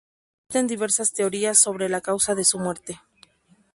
Existen diversas teorías sobre la causa de su muerte.